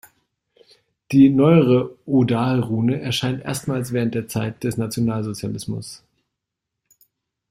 Die neuere „Odal-Rune“ erscheint erstmals während der Zeit des Nationalsozialismus.